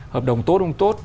hợp đồng tốt không tốt